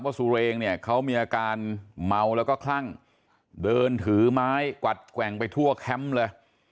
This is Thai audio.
สุเรงเนี่ยเขามีอาการเมาแล้วก็คลั่งเดินถือไม้กวัดแกว่งไปทั่วแคมป์เลย